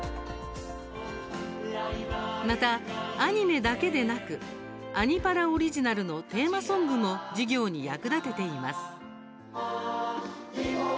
またアニメだけでなく「アニ×パラ」オリジナルのテーマソングも授業に役立てています。